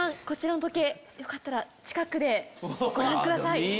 こちらの時計よかったら近くでご覧ください。